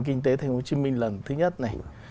kinh tế tp hcm lần thứ nhất này